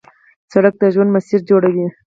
سړک د ژوند مسیر جوړوي.